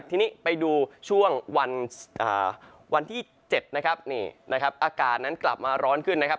ทีนี้ไปดูช่วงวันที่๗นะครับนี่นะครับอากาศนั้นกลับมาร้อนขึ้นนะครับ